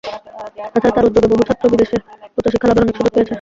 তা ছাড়া তার উদ্যোগে বহু ছাত্র বিদেশে উচ্চশিক্ষা লাভের অনেক সুযোগ পেয়েছে।